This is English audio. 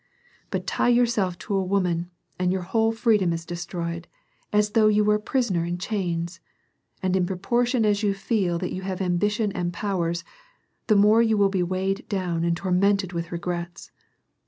But tie yourself to a woman and your whole freedom is destroyed, as though you were a prisoner in chains. And in proportion as you feel that you have ambition and powers, the more you will be weighed down and tormented with regrets.